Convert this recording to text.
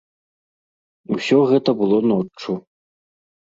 Усё гэта было ноччу.